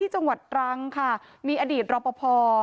จังหวัดตรังค่ะมีอดีตรอปภ